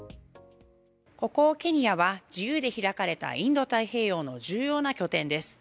ここ、ケニアは自由で開かれたインド太平洋の重要な拠点です。